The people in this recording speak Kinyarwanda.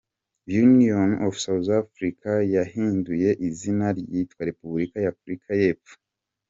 Union of South Africa yahinduye izina yitwa Repubulika ya Afurika y’epfo.